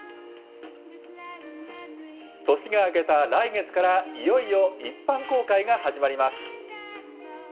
年が明けた来月から、いよいよ一般公開が始まります。